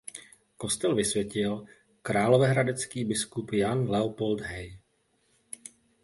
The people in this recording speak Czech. Kostel vysvětil královéhradecký biskup Jan Leopold Hay.